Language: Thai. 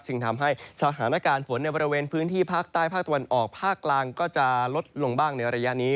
ทำให้สถานการณ์ฝนในบริเวณพื้นที่ภาคใต้ภาคตะวันออกภาคกลางก็จะลดลงบ้างในระยะนี้